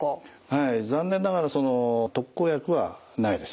はい残念ながらその特効薬はないです。